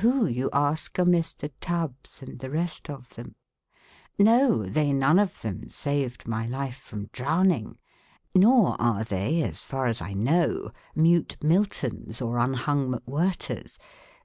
Who, you ask, are Mr. Tubbs and the rest of them? No, they none of them saved my life from drowning, nor are they (as far as I know) mute Miltons or un hung McWhirters.